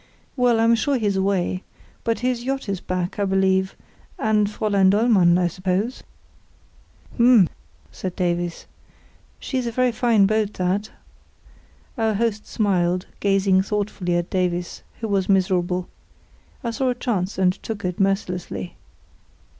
"Well, I'm sure he's away. But his yacht is back, I believe—and Fräulein Dollmann, I suppose." "H'm!" said Davies; "she's a very fine boat that." Our host smiled, gazing thoughtfully at Davies, who was miserable. I saw a chance, and took it mercilessly.